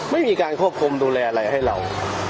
ไม่มีการควบคุมดูแลอะไรให้เรา